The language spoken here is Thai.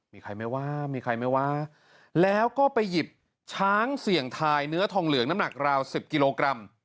มีใครไหมว่ามีใครไหมว่าแล้วก็ไปหยิบช้างเสี่ยงทายเนื้อทองเหลืองน้ำหนักราว๑๐กิโลกรัม